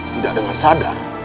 tidak dengan sadar